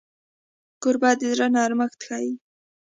کوربه د زړه نرمښت ښيي.